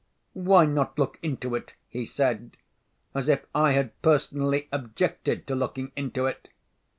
"Why not look into it?" he said, as if I had personally objected to looking into it.